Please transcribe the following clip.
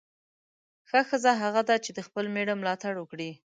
ښه ښځه هغه ده چې د خپل میړه ملاتړ وکړي.